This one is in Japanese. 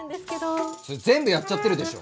それ全部やっちゃってるでしょ。